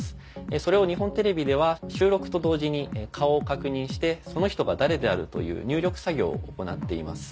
それを日本テレビでは収録と同時に顔を確認してその人が誰であるという入力作業を行っています。